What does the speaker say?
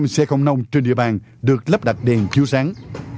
một trăm linh xe không nông trên địa bàn được lắp đặt đèn chiếu sáng